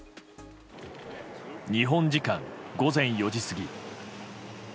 日本時間午前４時過ぎ。